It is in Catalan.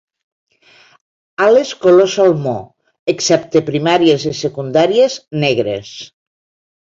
Ales color salmó, excepte primàries i secundàries, negres.